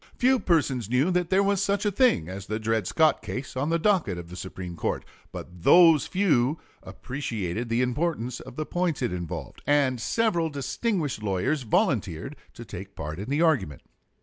Few persons knew there was such a thing as the Dred Scott case on the docket of the Supreme Court; but those few appreciated the importance of the points it involved, and several distinguished lawyers volunteered to take part in the argument.